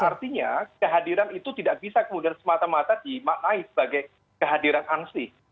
artinya kehadiran itu tidak bisa kemudian semata mata dimaknai sebagai kehadiran ansih